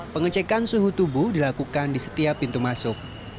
pengecekan suhu tubuh dilakukan di setiap pintu masuk